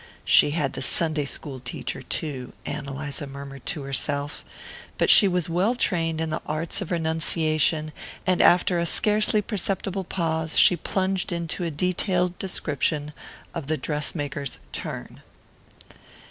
"She had the Sunday school teacher too," Ann Eliza murmured to herself; but she was well trained in the arts of renunciation, and after a scarcely perceptible pause she plunged into a detailed description of the dress maker's "turn."